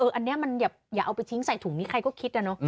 อันนี้มันอย่าเอาไปทิ้งใส่ถุงนี้ใครก็คิดนะเนอะ